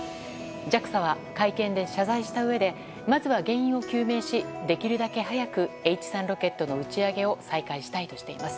ＪＡＸＡは会見で謝罪したうえでまずは原因を究明しできるだけ早くＨ３ロケットの打ち上げを再開したいとしています。